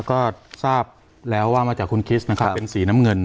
ก็ทราบแล้วว่ามาจากคุณคิสนะครับเป็นสีน้ำเงิน